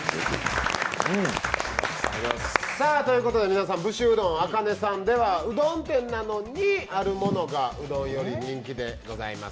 皆さん、武州うどんあかねさんではうどん店なのに、あるものがうどんより人気でございます。